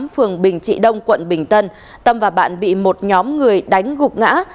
phường bình trị đông quận bình tân tâm và bạn bị một nhóm người đánh gục ngã